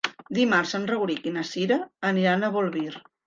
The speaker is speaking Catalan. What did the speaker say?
Dimarts en Rauric i na Cira aniran a Bolvir.